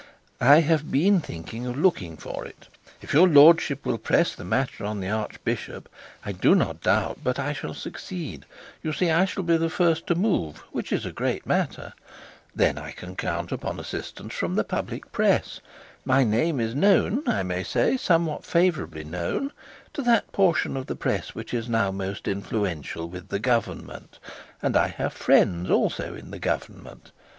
'I have been thinking of looking for it. If your lordship will press the matter on the archbishop, I do not doubt but that I shall succeed. You see I shall count upon assistance from the public press; my name is known, I may say, somewhat favourably known to that portion of the press which is now most influential with the government, and I have friends also in the government.